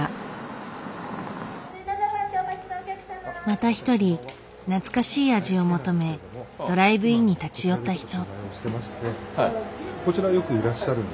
また一人懐かしい味を求めドライブインに立ち寄った人。